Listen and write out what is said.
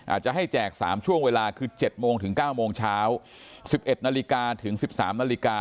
อาจจะให้แจก๓ช่วงเวลาคือ๗โมงถึง๙โมงเช้า๑๑นาฬิกาถึง๑๓นาฬิกา